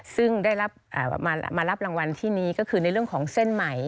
ซึ่งมารับรางวัลที่นี่ก็คือในเรื่องของเส้นไหม